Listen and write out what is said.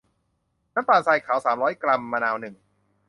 น้ำตาลทรายขาว สามร้อย กรัม มะนาว หนึ่ง